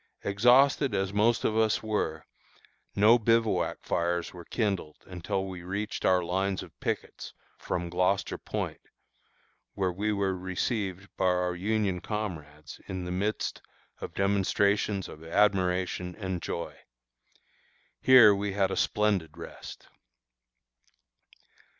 Exhausted as most of us were, no bivouac fires were kindled until we reached our lines of pickets from Gloucester Point, where we were received by our Union comrades in the midst of demonstrations of admiration and joy. Here we had a splendid rest.